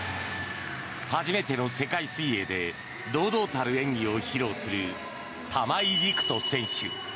初めての世界水泳で堂々たる演技を披露する玉井陸斗選手。